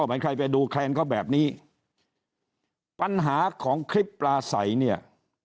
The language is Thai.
เหมือนใครไปดูแคลนเขาแบบนี้ปัญหาของคลิปปลาใสเนี่ย